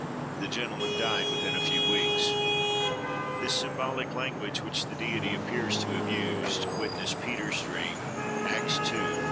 The gentleman died within a few weeks. "This symbolical language, which the Deity appears to have used" (witness Peter's dream, Acts ii.